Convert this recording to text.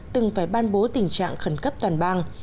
từng phải ban bố tình trạng khẩn cấp toàn bang